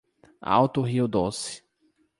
Alto Rio Doce